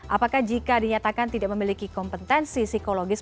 apakah jika dinyatakan tidak memiliki kompetensi psikologis